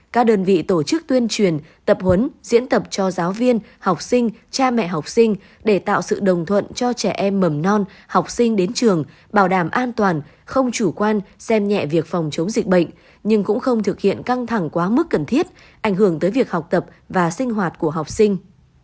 các đơn vị tổ chức tuyên truyền tập huấn diễn tập cho giáo viên học sinh cha mẹ học sinh để tạo sự đồng thuận cho trẻ em mầm non học sinh đến trường bảo đảm an toàn không chủ quan xem nhẹ việc phòng chống dịch bệnh nhưng cũng không thực hiện căng thẳng quá mức cần thiết ảnh hưởng tới việc học tập và sinh hoạt của học sinh